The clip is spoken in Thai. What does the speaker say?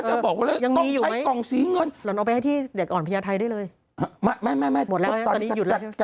เอาไปให้ที่สถานเรียกเด็กกำพาคเขาแยก